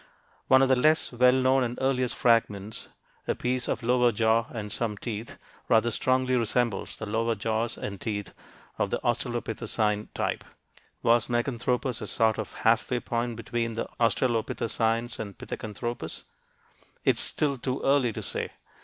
One of the less well known and earliest fragments, a piece of lower jaw and some teeth, rather strongly resembles the lower jaws and teeth of the australopithecine type. Was Meganthropus a sort of half way point between the australopithecines and Pithecanthropus? It is still too early to say.